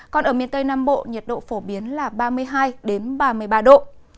còn ở miền tây nam bộ nhiệt độ phổ biến là ba mươi hai ba mươi ba độ